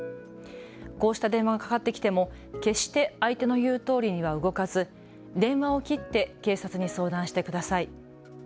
こうした電話がかかってきても決して相手の言うとおりには動かず、電話を切って警察に相談してください。